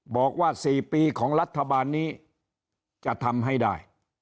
บอกว่า๔ปีของรัฐบาลนี้จะทำให้ได้